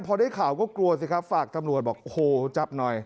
พอได้ข่าวก็กลัวสิครับฝากตำรวจบอกโหจับหน่อย